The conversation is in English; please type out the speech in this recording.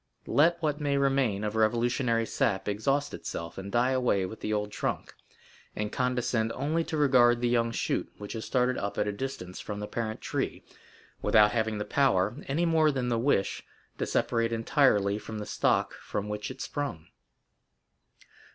Let what may remain of revolutionary sap exhaust itself and die away with the old trunk, and condescend only to regard the young shoot which has started up at a distance from the parent tree, without having the power, any more than the wish, to separate entirely from the stock from which it sprung."